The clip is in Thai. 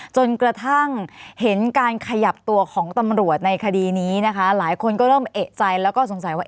จนกระทั่งเห็นการขยับตัวของตำรวจในคดีนี้นะคะหลายคนก็เริ่มเอกใจแล้วก็สงสัยว่า